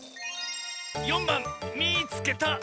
４ばん「みいつけた！」。